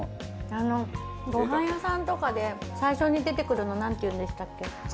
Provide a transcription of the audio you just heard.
ごはん屋さんとかで最初に出てくるのなんて言うんでしたっけ？